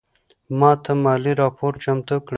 ماته مالي راپور چمتو کړه